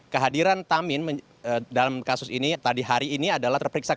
kehadiran tamin dalam kasus ini tadi hari ini adalah terperiksa